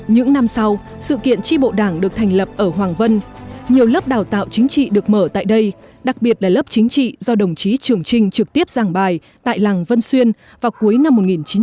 những năm sau sự kiện tri bộ đảng được thành lập ở hoàng vân nhiều lớp đào tạo chính trị được mở tại đây đặc biệt là lớp chính trị do đồng chí trường trinh trực tiếp giảng bài tại làng vân xuyên vào cuối năm một nghìn chín trăm bảy mươi